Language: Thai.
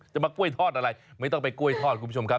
มากล้วยทอดอะไรไม่ต้องไปกล้วยทอดคุณผู้ชมครับ